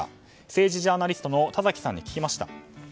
政治ジャーナリストの田崎さんに聞きました。